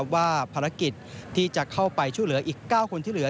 ว่าภารกิจที่จะเข้าไปช่วยเหลืออีก๙คนที่เหลือ